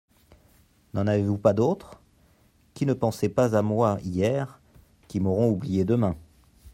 N'en avez-vous pas d'autres ? Qui ne pensaient pas à moi hier, qui m'auront oublié demain.